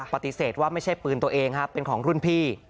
ปฏิเสธว่าไม่ใช่ปืนตัวเองครับเป็นของรุ่นพี่